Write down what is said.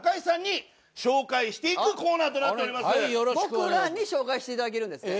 僕らに紹介していただけるんですね。